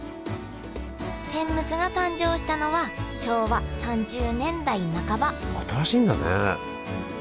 天むすが誕生したのは昭和３０年代半ば新しいんだね。